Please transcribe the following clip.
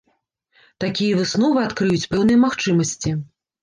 Такія высновы адкрыюць пэўныя магчымасці.